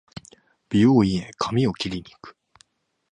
美容院へ髪を切りに行く